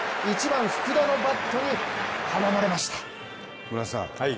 １番・福田のバットに阻まれました。